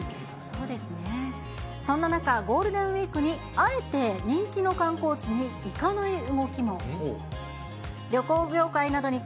そんな中、ゴールデンウィークにあえて人気の観光地に行かない動きも。